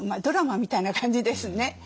ドラマみたいな感じですね。